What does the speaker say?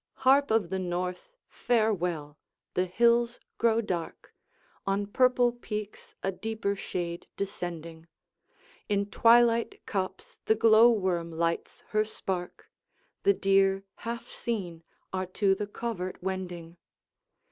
Harp of the North, farewell! The hills grow dark, On purple peaks a deeper shade descending; In twilight copse the glow worm lights her spark, The deer, half seen, are to the covert wending.